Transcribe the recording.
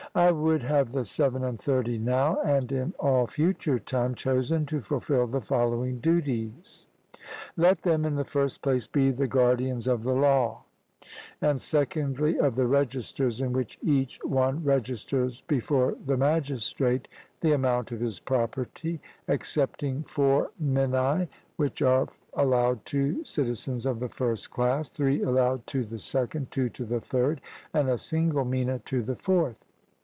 I would have the seven and thirty now, and in all future time, chosen to fulfil the following duties: Let them, in the first place, be the guardians of the law; and, secondly, of the registers in which each one registers before the magistrate the amount of his property, excepting four minae which are allowed to citizens of the first class, three allowed to the second, two to the third, and a single mina to the fourth.